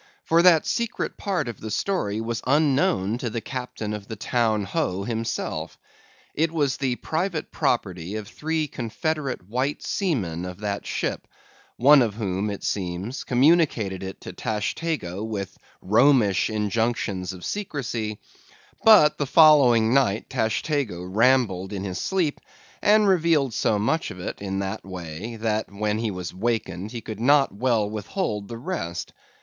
For that secret part of the story was unknown to the captain of the Town Ho himself. It was the private property of three confederate white seamen of that ship, one of whom, it seems, communicated it to Tashtego with Romish injunctions of secrecy, but the following night Tashtego rambled in his sleep, and revealed so much of it in that way, that when he was wakened he could not well withhold the rest.